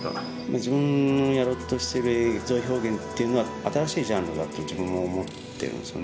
自分のやろうとしてる映像表現っていうのは新しいジャンルだと自分も思ってるんですよね。